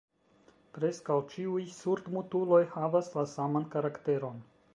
Preskaŭ ĉiuj surdmutuloj havas la saman karakteron.